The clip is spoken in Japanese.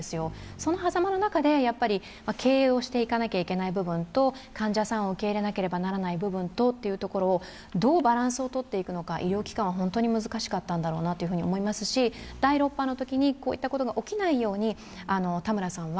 その狭間の中で、経営していかなきゃいけない部分と患者さんを受け入れなければならない部分をどうバランスをとっていくのか、医療機関は本当に難しかったんだろうなと思いますし、第６波のときにこういったことが起きないように田村さんは